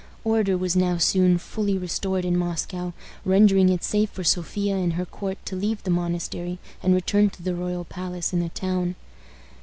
Order was now soon fully restored in Moscow, rendering it safe for Sophia and her court to leave the monastery and return to the royal palace in the town.